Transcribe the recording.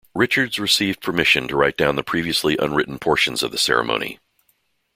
Richards received permission to write down the previously unwritten portions of the ceremony.